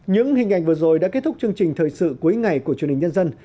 những hình ảnh vừa rồi đã kết thúc chương trình thời sự cuối ngày của chương trình nhân dân